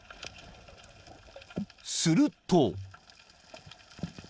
［すると］